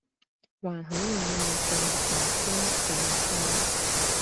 還好有愛在懷中感慨